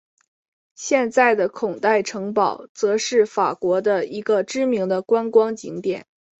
现在的孔代城堡则是法国的一个知名的观光景点。